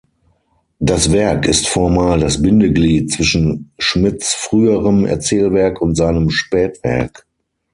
Das Werk ist formal das Bindeglied zwischen Schmidts früherem Erzählwerk und seinem Spätwerk.